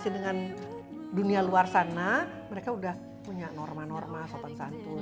keaturannya adalah semuanya serba begi semua serba basic maksudnya aturan sopan sopan santun